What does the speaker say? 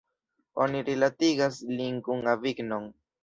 Oni rilatigas lin kun Avignon.